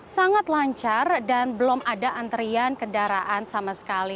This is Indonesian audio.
sangat lancar dan belum ada antrian kendaraan sama sekali